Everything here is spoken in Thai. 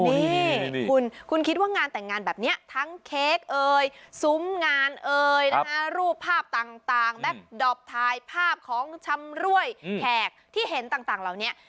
นี่คุณคุณคิดว่างานแต่งงานแบบนี้ทั้งเค้กเอ่ยซุ้มงานเอ่ยนะฮะรูปภาพต่างแบ็คดอปถ่ายภาพของชำรวยแขกที่เห็นต่างเหล่านี้